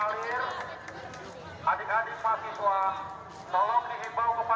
adik adik mahasiswa tolong diimbau kepada korupnya